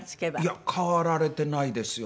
いや変わられてないですよ